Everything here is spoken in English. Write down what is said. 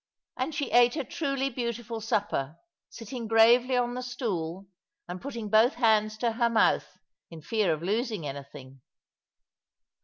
And she ate a truly beautiful supper, sitting gravely on the stool, and putting both hands to her mouth in fear of losing anything.